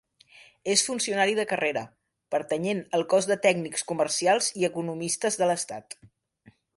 És funcionari de carrera, pertanyent al Cos de Tècnics Comercials i Economistes de l'Estat.